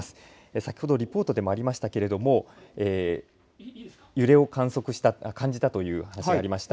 先ほどリポートでもありましたけど揺れを観測した感じたという話がありました。